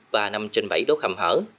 và năm trên bảy đốt hầm hở